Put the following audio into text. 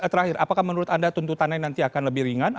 terakhir apakah menurut anda tuntutannya nanti akan lebih ringan